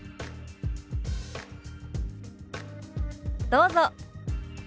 どうぞ。